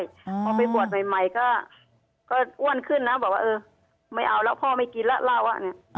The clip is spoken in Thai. พอไปบวชใหม่ก็อ้วนขึ้นนะบอกว่าเออไม่เอาแล้วพ่อไม่กินแล้วเล่าว่าเนี่ย